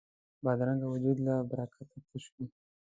بدرنګه وجود له برکته تش وي